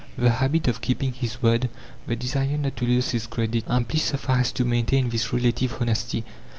The habit of keeping his word, the desire not to lose his credit, amply suffice to maintain this relative honesty.